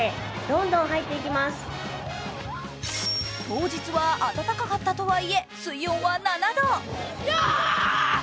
当日は暖かかったとはいえ、水温は７度。